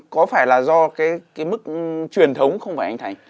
có phải là do cái mức truyền thống không phải anh thành